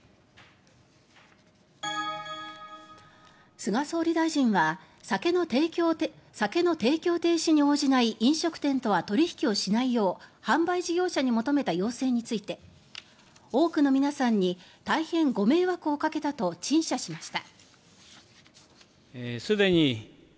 菅総理大臣は、酒の提供停止に応じない飲食店とは取引をしないよう販売事業者に求めた要請について多くの皆さんに大変ご迷惑をかけたと陳謝しました。